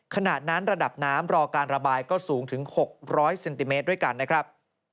ขณะนั้นระดับน้ำรอการระบายก็สูงถึง๖๐๐เซนติเมตรด้วยกันนะครับ